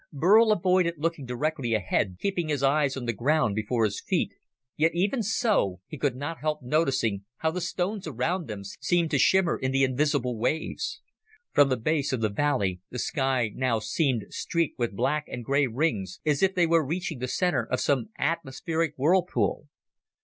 Burl avoided looking directly ahead, keeping his eyes on the ground before his feet, yet even so, he could not help noticing how the stones around them seemed to shimmer in the invisible waves. From the base of the valley the sky now seemed streaked with black and gray rings, as if they were reaching the center of some atmospheric whirlpool.